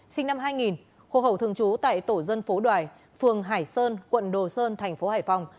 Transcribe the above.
sinh năm hai nghìn hộ khẩu thường trú tại tổ dân phố đoài phường hải sơn quận đồ sơn thành phố hải phòng